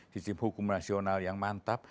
sistem hukum nasional yang mantap